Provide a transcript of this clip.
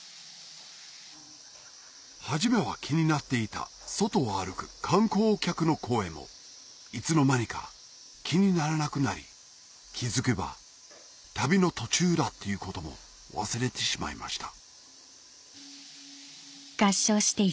初めは気になっていた外を歩く観光客の声もいつの間にか気にならなくなり気付けば旅の途中だということも忘れてしまいました